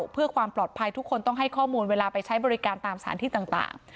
เพื่อความปลอดภัยทุกคนต้องให้ข้อมูลเวลาไปใช้บริการตามสถานที่ต่าง